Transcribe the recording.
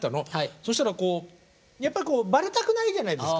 そしたらこうやっぱりバレたくないじゃないですか。